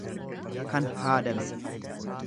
kan haadame.